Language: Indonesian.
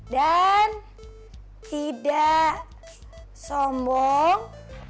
dan tidak sombong